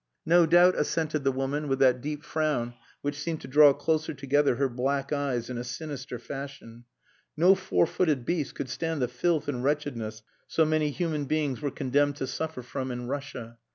"No doubt," assented the woman with that deep frown which seemed to draw closer together her black eyes in a sinister fashion. No four footed beast could stand the filth and wretchedness so many human beings were condemned to suffer from in Russia.